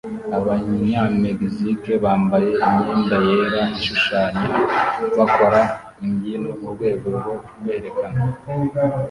Abanyamegizike bambaye imyenda yera ishushanya bakora imbyino murwego rwo kwerekana